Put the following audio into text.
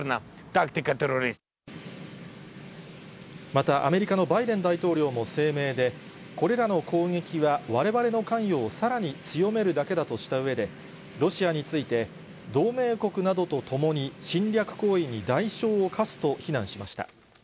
またアメリカのバイデン大統領も声明で、これらの攻撃はわれわれの関与をさらに強めるだけだとしたうえで、ロシアについて、同盟国などとともに侵略行為に代償を科すと非難しました。